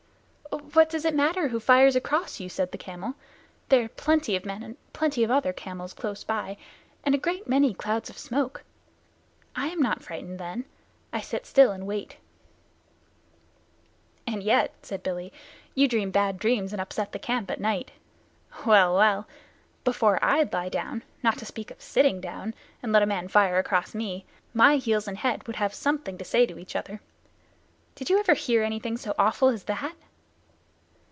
"What does it matter who fires across you?" said the camel. "There are plenty of men and plenty of other camels close by, and a great many clouds of smoke. I am not frightened then. I sit still and wait." "And yet," said Billy, "you dream bad dreams and upset the camp at night. Well, well! Before I'd lie down, not to speak of sitting down, and let a man fire across me, my heels and his head would have something to say to each other. Did you ever hear anything so awful as that?"